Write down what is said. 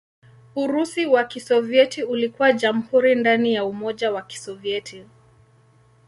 Urusi wa Kisovyeti ulikuwa jamhuri ndani ya Umoja wa Kisovyeti.